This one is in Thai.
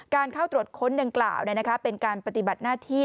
เข้าตรวจค้นดังกล่าวเป็นการปฏิบัติหน้าที่